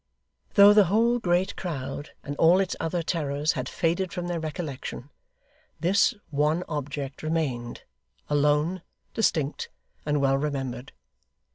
Though the whole great crowd and all its other terrors had faded from their recollection, this one object remained; alone, distinct, and well remembered.